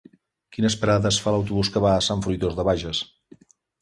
Quines parades fa l'autobús que va a Sant Fruitós de Bages?